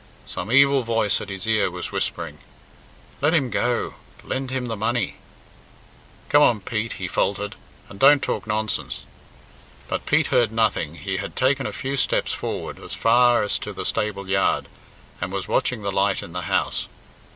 Some evil voice at his ear was whispering, "Let him go; lend him the money." "Come on, Pete," he faltered, "and don't talk nonsense!" But Pete heard nothing. He had taken a few steps forward, as far as to the stable yard, and was watching the light in the house.